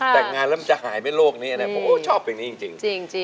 จากงานเริ่มหายไว้โลกนี้ผมโอ้โฮชอบเพลงนี้จริง